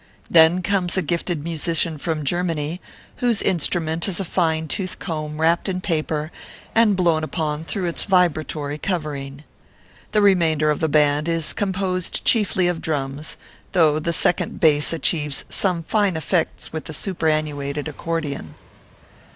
Then comes a gifted musican from Germany, whose instrument is a , fine tooth comb wrapped in paper, and blown upon through its vibratory covering. The remainder of the band is composed chiefly of drums, though the second base achieves some fine effects with a superannuated accordeon.